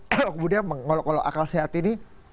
kalau kemudian mengolok olok akal sehat ini